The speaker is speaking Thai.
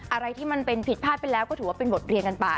อะไรที่มันเป็นผิดพลาดไปแล้วก็ถือว่าเป็นบทเรียนกันไป